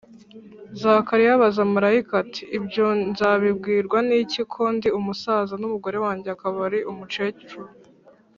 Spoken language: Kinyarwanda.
Zakariya abaza marayika ati: “Ibyo nzabibwirwa n’iki, ko ndi umusaza n’umugore wanjye akaba ari umukecuru